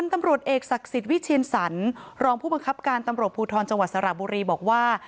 ตำรวจเอกศักดิ์สิทธิ์วิเชียนสรรรองผู้บังคับการตำรวจภูทรจังหวัดสระบุรีบอกว่า